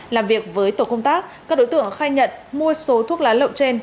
làm việc với tổ công tác các đối tượng khai nhận mua số thuốc lá lậu trên